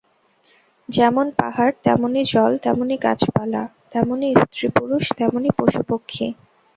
যেমন পাহাড়, তেমনি জল, তেমনি গাছপালা, তেমনি স্ত্রীপুরুষ, তেমনি পশুপক্ষী।